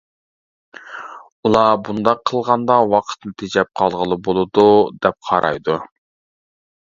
ئۇلار بۇنداق قىلغاندا ۋاقىتنى تېجەپ قالغىلى بولىدۇ، دەپ قارايدۇ.